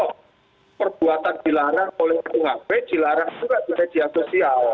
kalau perbuatan dilarang oleh kuhb dilarang juga dengan diagresial